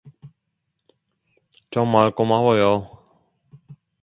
정말 고마워요.